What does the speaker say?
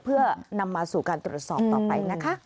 เพื่อนำมาสู่การตรวจสอบต่อไปนะคะ